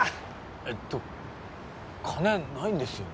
えっと金ないんですよね？